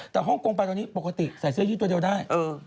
แต่ฮ่องกงไปตอนนี้ปกติใส่เสื้อยืดตัวเดียวได้